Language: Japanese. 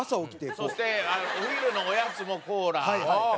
そしてお昼のおやつもコーラ。